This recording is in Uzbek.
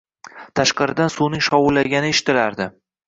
Tashqaridan suvning shovullagani eshitilardi.